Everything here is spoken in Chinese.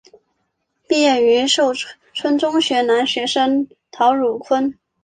毕业于寿春中学男学生陶汝坤。